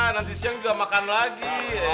nanti siang juga makan lagi